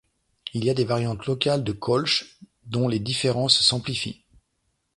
Il y a des variantes locales de Kölsch dont les différences s'amplifient.